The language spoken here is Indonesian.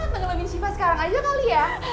tenggelamin siva sekarang aja kali ya